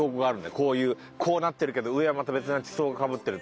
こういうこうなってるけど上はまた別な地層がかぶってる。